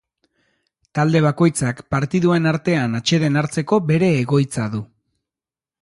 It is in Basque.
Talde bakoitzak partiduen artean atseden hartzeko bere egoitza du.